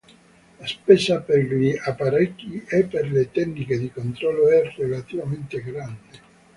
La spesa per gli apparecchi e per le tecniche di controllo è relativamente grande.